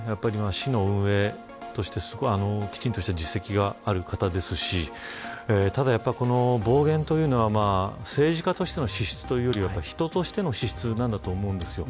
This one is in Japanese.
市の運営として、きちんとした実績がある方ですしただ、暴言というのは政治家としての資質というより人としての資質だと思います。